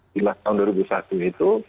di tahun dua ribu satu itu